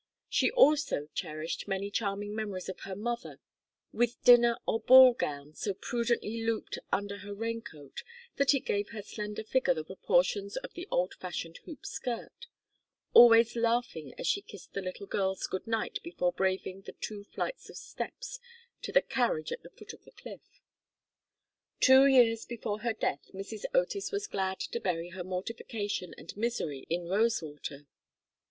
She also cherished many charming memories of her mother, with dinner or ball gown so prudently looped under her rain coat that it gave her slender figure the proportions of the old fashioned hoop skirt; always laughing as she kissed the little girls good night before braving the two flights of steps to the carriage at the foot of the cliff. Two years before her death Mrs. Otis was glad to bury her mortification and misery in Rosewater.